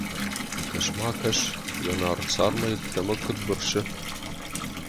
Кӕс-ма, кӕс, йӕ нард цармӕй ӕддӕмӕ куыд бырсы!